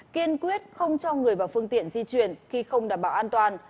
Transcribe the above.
kiên quyết không cho người vào phương tiện di chuyển khi không đảm bảo an toàn